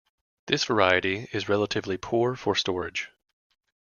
This variety is relatively poor for storage.